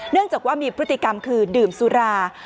จากว่ามีพฤติกรรมคือดื่มสุรา